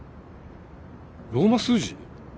ローマ数字？